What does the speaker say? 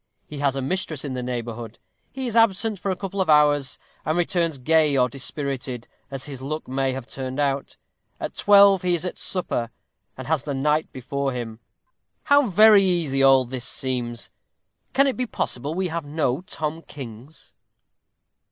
He has a mistress in the neighborhood. He is absent for a couple of hours, and returns gay or dispirited, as his luck may have turned out. At twelve he is at supper, and has the night before him. How very easy all this seems. Can it be possible we have no Tom Kings?